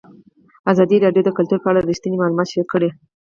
ازادي راډیو د کلتور په اړه رښتیني معلومات شریک کړي.